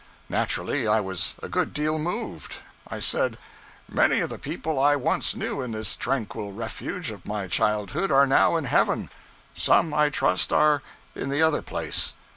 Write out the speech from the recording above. Naturally, I was a good deal moved. I said, 'Many of the people I once knew in this tranquil refuge of my childhood are now in heaven; some, I trust, are in the other place.'